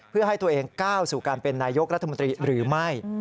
เพื่อให้ตัวเองก้าวสู่การเป็นนายกรัฐมนตรีหรือไม่